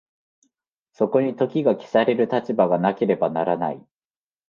そこに時が消される立場がなければならない。